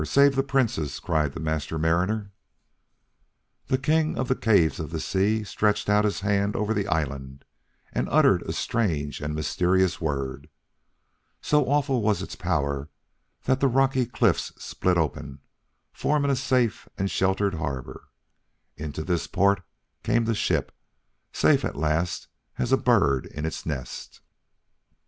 Save the Princess!" cried the Master Mariner. The King of the Caves of the Sea stretched out his hands over the island and uttered a strange and mysterious word. So awful was its power that the rocky cliffs split open, forming a safe and sheltered harbor. Into this port came the ship, safe at last as a bird in its nest.